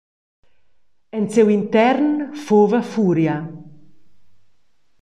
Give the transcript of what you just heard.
En siu intern fuva furia.